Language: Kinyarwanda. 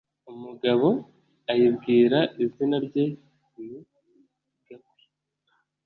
Umugabo ayibwira izina rye ni gakwi